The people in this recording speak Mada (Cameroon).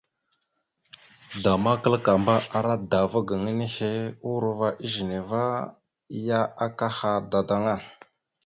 Zlama kǝlakamba, ara dava gaŋa nehe urova ezine va ya akaha dadaŋa.